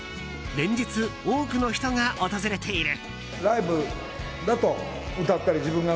連日、多くの人が訪れている。